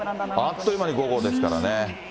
あっという間に５号ですからね。